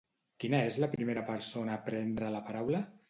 Quina és la primera persona a prendre la paraula?